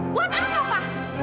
buat apa pa